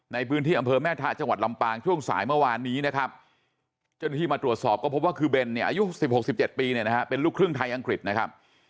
ในพื้นที่อำเภอแม่ทะจังหวัดลำปางช่วงสายเมื่อวานนี้นะครับเจ้าหน้าที่มาตรวจสอบก็พบว่าคือเบนเนี่ยอายุ๑๖๑๗ปีเนี่ยนะฮะเป็นลูกครึ่งไทยอังกฤษนะครับ